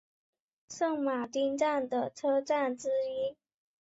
圣马丁站的车站之一。